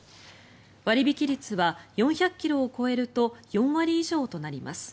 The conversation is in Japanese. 割引率は４００ｋｍを超えると４割以上となります。